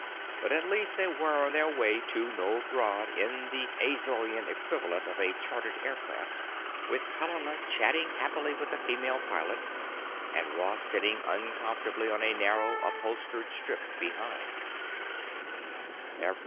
But at least they were on their way to Novj Grad in the Azorian equivalent of a chartered aircraft, with Helena chatting happily with the female pilot, and Ross sitting uncomfortably on a narrow, upholstered strip behind.